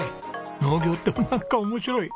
農業ってなんか面白い。